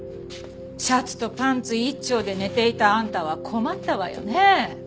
シャツとパンツ一丁で寝ていたあんたは困ったわよね。